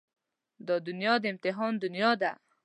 دا دنيا د امتحان دنيا ده.